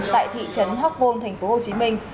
tại thị trấn hóc môn thành phố hồ chí minh